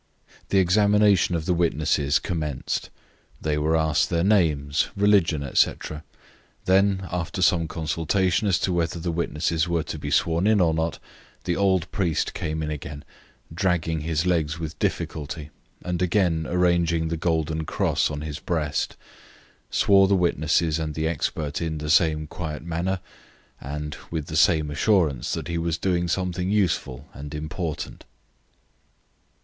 The examination of the witnesses commenced: they were asked their names, religion, etc. Then, after some consultation as to whether the witnesses were to be sworn in or not, the old priest came in again, dragging his legs with difficulty, and, again arranging the golden cross on his breast, swore the witnesses and the expert in the same quiet manner, and with the same assurance that he was doing something useful and important.